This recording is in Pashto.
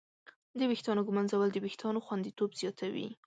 د ویښتانو ږمنځول د وېښتانو خوندیتوب زیاتوي.